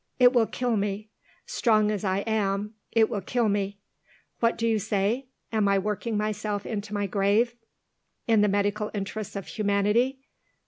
It will kill me. Strong as I am, it will kill me. What do you say? Am I working myself into my grave, in the medical interests of humanity?